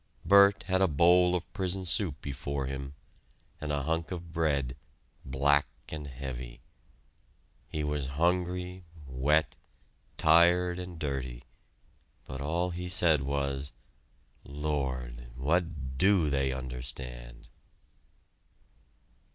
Bert had a bowl of prison soup before him, and a hunk of bread, black and heavy. He was hungry, wet, tired, and dirty, but all he said was, "Lord! What do they understand?"